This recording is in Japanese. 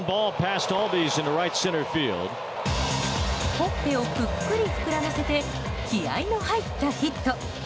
ほっぺをぷっくり膨らませて気合の入ったヒット。